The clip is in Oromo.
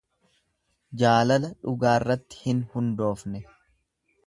Jaalala dhugaarratti hin hundoofne.